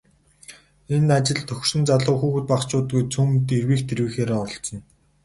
Энэ ажилд хөгшин залуу, хүүхэд багачуудгүй цөм эрвийх дэрвийхээрээ оролцоно.